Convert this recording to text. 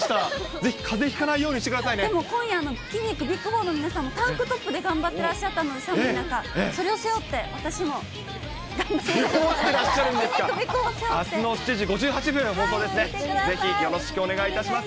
ぜひかぜひかないようにしてくだでも今夜の筋肉ＢＩＧ４の皆さんも、タンクトップで頑張ってらっしゃったので、寒い中、それを背負って、私も頑張ります。